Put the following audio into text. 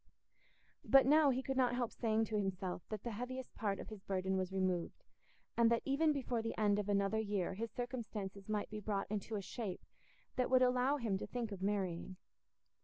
But now he could not help saying to himself that the heaviest part of his burden was removed, and that even before the end of another year his circumstances might be brought into a shape that would allow him to think of marrying.